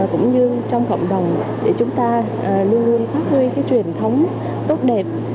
cũng như trong cộng đồng để chúng ta luôn luôn phát huy cái truyền thống tốt đẹp